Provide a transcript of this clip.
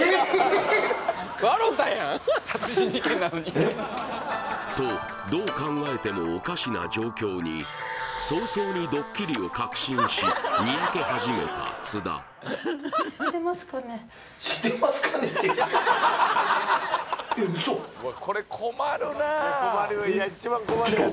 えっ？ああ！とどう考えてもおかしな状況に早々にドッキリを確信しニヤけ始めた津田あ！